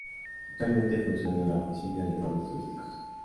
Actualmente funciona la Oficina de Informes Turísticos.